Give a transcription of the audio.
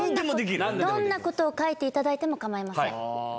どんなことを書いていただいても構いません。